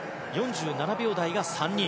４７秒台が３人。